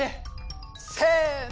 せの！